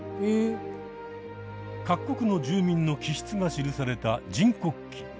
各国の住民の気質が記された「人国記」。